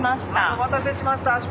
お待たせしました出発。